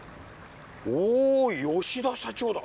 お吉田社長だ。